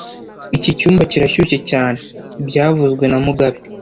Iki cyumba kirashyushye cyane byavuzwe na mugabe